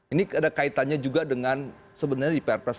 ini ada kaitannya juga dengan sebenarnya di perusahaan